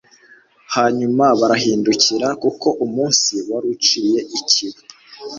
hanyuma barahindukira kuko umunsi wari uciye ikibu